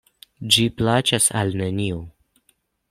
Ĝi plaĉas al neniu.